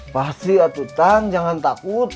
pasti ya tutang jangan takut